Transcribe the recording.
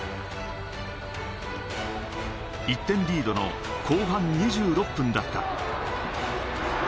１点リードの後半２６分だった。